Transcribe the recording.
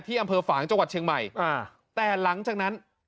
อำเภอฝางจังหวัดเชียงใหม่อ่าแต่หลังจากนั้น